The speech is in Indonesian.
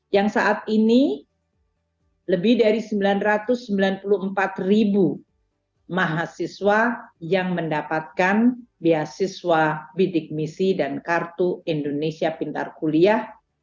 yang saat ini lebih dari sembilan ratus sembilan puluh empat ribu mahasiswa yang mendapatkan beasiswa bidik misi dan kartu indonesia pintar kuliah